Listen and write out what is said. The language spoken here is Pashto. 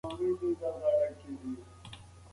څېړونکي په دې باور دي چې د ټکر خطر شتون نه لري.